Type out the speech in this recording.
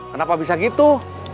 kenapa bisa gitu